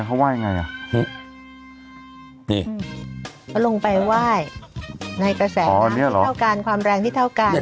ความน่าเข้าไหว้ยังไง